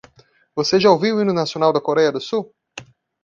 Você já ouviu o hino nacional da Coreia do Sul?